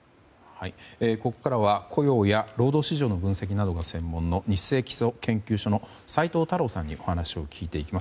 ここからは雇用や労働市場の分析などが専門のニッセイ基礎研究所の斎藤太郎さんにお話を聞いていきます。